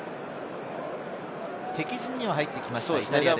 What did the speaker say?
敵陣に入ってきました、イタリアです。